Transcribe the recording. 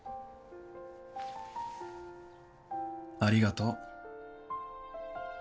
ありがとう。